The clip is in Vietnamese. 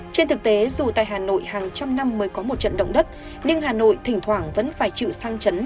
trên thực tế dù tại hà nội hàng trăm năm mới có một trận động đất nhưng hà nội thỉnh thoảng vẫn phải chịu sang chấn